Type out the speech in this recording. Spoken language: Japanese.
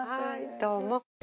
どうも。